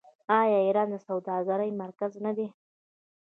آیا ایران د سوداګرۍ مرکز نه دی؟